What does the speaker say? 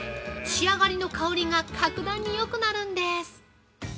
仕上がりの香りが格段によくになるんです。